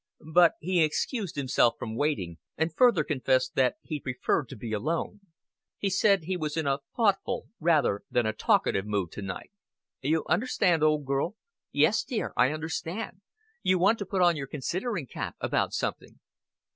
But he excused himself from waiting, and further confessed that he preferred to be alone. He said he was in a thoughtful rather than a talkative mood to night. "You understand, old girl?" "Yes, dear, I understand. You want to put on your considering cap about something."